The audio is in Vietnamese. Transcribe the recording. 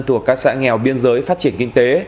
trên biên giới phát triển kinh tế